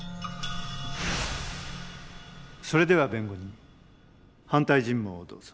それでは弁護人反対尋問をどうぞ。